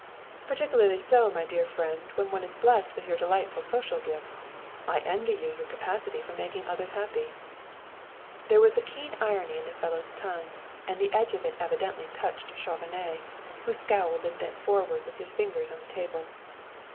"Particularly so, my dear friend, when one is blessed with your delightful social gifts. I envy you your capacity for making others happy." There was a keen irony in the fellow's tongue and the edge of it evidently touched Chauvenet, who scowled and bent forward with his fingers on the table.